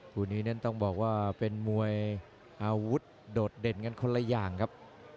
คู่นี้นั้นต้องบอกว่าเป็นมวยอาวุธโดดเด่นกันคนละอย่างครับ